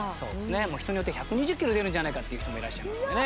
人によっては１２０キロ出るんじゃないかっていう人もいらっしゃいますのでね。